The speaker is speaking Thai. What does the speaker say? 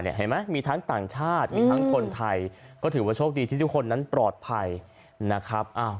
เห็นไหมมีทั้งต่างชาติมีทั้งคนไทยก็ถือว่าโชคดีที่ทุกคนนั้นปลอดภัยนะครับ